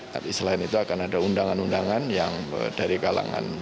tapi selain itu akan ada undangan undangan yang dari kalangan